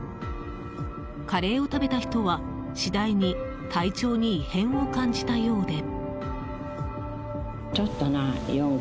カレーを食べた人は、次第に体調に異変を感じたようで。